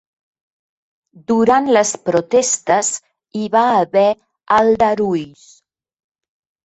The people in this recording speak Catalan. Durant les protestes hi va haver aldarulls